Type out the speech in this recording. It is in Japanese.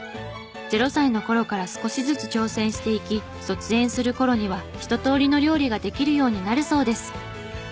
０歳の頃から少しずつ挑戦していき卒園する頃にはひととおりの料理ができるようになるそうです。